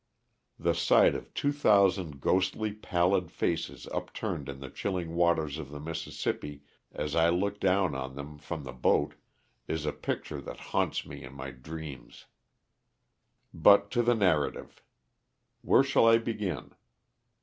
The sight of 2,000 ghostly, pallid faces upturned in the chilling waters of the Mississippi, as I looked down on them from the boat, is a picture that haunts me in my dreams. But to the narrative. Where shall I begin?